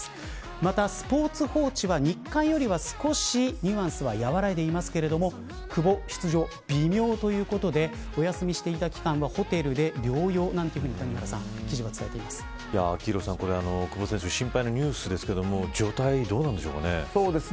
またスポーツ報知は、日刊よりは少しニュアンスは和らいでいますが久保出場微妙ということでお休みしていた期間はホテルで療養などと記事では昭浩さん、これ久保選手心配なニュースですけども状態、どうなんでしょうかね。